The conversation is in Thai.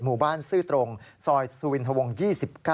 หมู่บ้านซื่อตรงซอยสุวินทวง๒๙